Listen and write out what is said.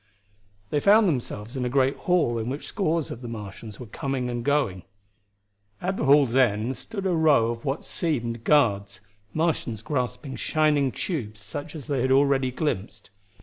They found themselves in a great hall in which scores of the Martians were coming and going. At the hall's end stood a row of what seemed guards, Martians grasping shining tubes such as they had already glimpsed.